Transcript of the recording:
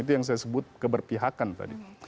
itu yang saya sebut keberpihakan tadi